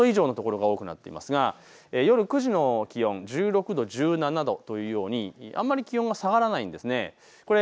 １５度以上の所が多くなっていますが夜９時の気温、１６度１７度というようにあまり気温が下がらないんですね。